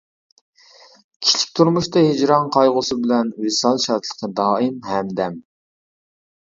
كىشىلىك تۇرمۇشتا ھىجران قايغۇسى بىلەن ۋىسال شادلىقى دائىم ھەمدەم.